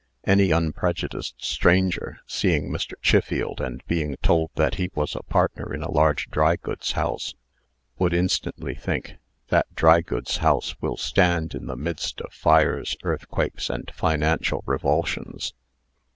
Any unprejudiced stranger, seeing Mr. Chiffield, and being told that he was a partner in a large drygoods house, would instantly think, "That drygoods house will stand in the midst of fires, earthquakes, and financial revulsions."